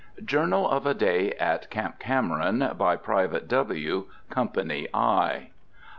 JOURNAL OF A DAY AT CAMP CAMERON, BY PRIVATE W., COMPANY I.